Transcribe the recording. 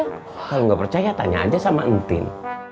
kalau nggak percaya tanya aja sama entin